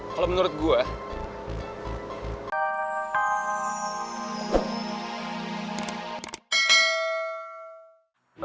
kalau menurut gue